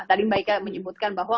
tadi mbak ika menyebutkan bahwa